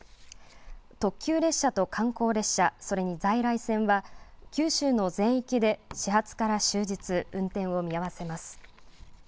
特急列車と観光列車、それに在来線は、九州の全域で始発から終日運転を見合わせます。